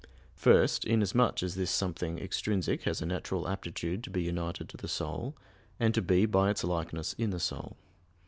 First, inasmuch as this something extrinsic has a natural aptitude to be united to the soul, and to be by its likeness in the soul.